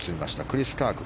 クリス・カーク。